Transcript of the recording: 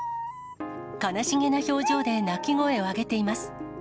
悲しげな表情で鳴き声を上げています。